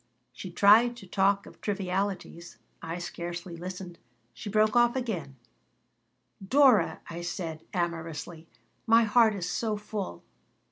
She tried to talk of trivialities. I scarcely listened. She broke off again "Dora!" I said, amorously. "My heart is so full."